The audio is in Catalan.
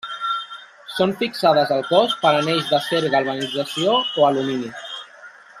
Són fixades al cos per anells d'acer galvanització o alumini.